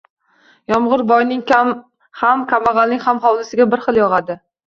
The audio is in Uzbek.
Yomg‘ir boyning ham, kambag‘alning ham hovlisiga bir xil yog‘adi.